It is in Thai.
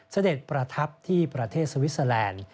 เสด็จประทับที่ประเทศสวิสเตอร์แลนด์